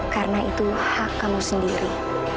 karena itu hak kamu sendiri